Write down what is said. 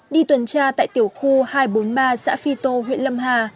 đi tuần tra tại tiểu khu hai trăm bốn mươi ba xã phi tô huyện lâm hà